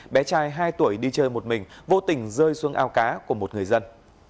bé trai hai tuổi đi chơi một mình vô tình rơi xuống ao cá của một người dân